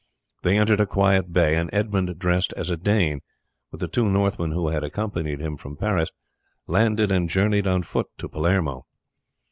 They entered a quiet bay, and Edmund dressed as a Dane, with the two Northmen who had accompanied him from Paris, landed and journeyed on foot to Palermo.